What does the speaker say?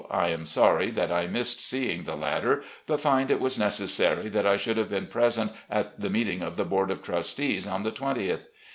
I am sorry that I missed seeing the latter, but find it was necessary that I should have been present at the meeting of the board of trustees on the 20th.